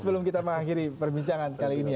sebelum kita mengakhiri perbincangan kali ini ya